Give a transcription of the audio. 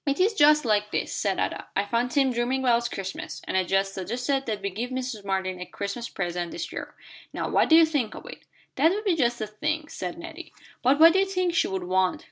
"It is just like this," said Ada; "I found Tim dreaming about Christmas, and I just suggested that we give Mrs. Martin a Christmas present this year. Now what do you think of it?" "That would be just the thing," said Nettie. "But what do you think she would want?"